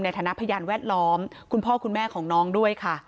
พยานแวดล้อมคุณพ่อคุณแม่ของน้องด้วยค่ะ